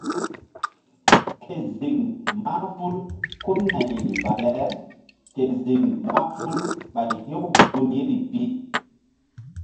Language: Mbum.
Ke ziŋ mahful ko nayri dale ke ziŋ mahful Ɓay hew gun yeri pi.